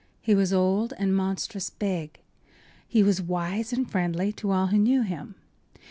He was old and monstrous big; he was wise and friendly to all who knew him.